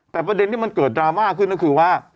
แต่ประเด็นที่มันเกิดดราม่าขึ้นก็คือว่า